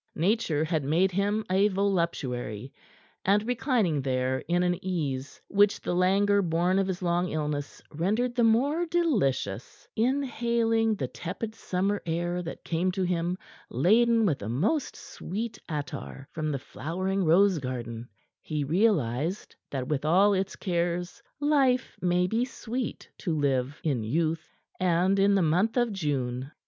Nature had made him a voluptuary, and reclining there in an ease which the languor born of his long illness rendered the more delicious, inhaling the tepid summer air that came to him laden with a most sweet attar from the flowering rose garden, he realized that with all its cares life may be sweet to live in youth and in the month of June.